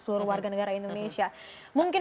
seluruh warga negara indonesia mungkin